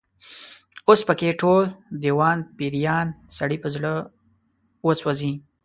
اوس په کې ټول، دېوان پيریان، سړی په زړه وسوځي